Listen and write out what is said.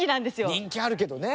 人気あるけどね。